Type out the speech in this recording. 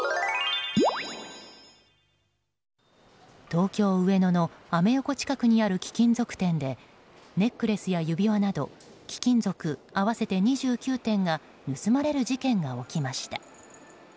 東京・上野のアメ横近くにある貴金属店でネックレスや指輪など貴金属合わせて２９点が盗まれる事件が起きました。